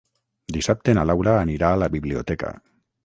Dissabte na Laura anirà a la biblioteca.